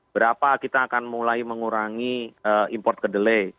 berapa kita akan mulai mengurangi impor kedelai